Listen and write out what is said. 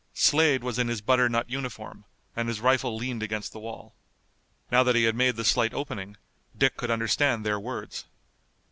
Slade was in his butternut uniform, and his rifle leaned against the wall. Now that he had made the slight opening Dick could understand their words.